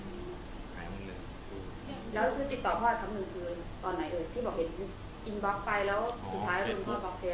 แล้วคือติดต่อพ่อคำนึงคือตอนไหนที่บอกเห็นอินบ็อกซ์ไปแล้วสุดท้ายพ่อบอกเฟซ